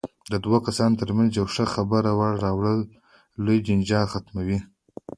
د دوو کسانو ترمنځ یو ښه خبر وړل راوړل لوی جنجال ختموي.